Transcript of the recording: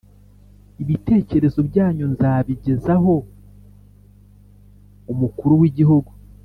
ibitekerezo byanyu nzabigezaho umukuru wigihugu